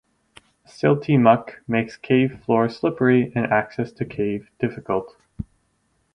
Silty muck makes cave floor slippery and access to cave difficult.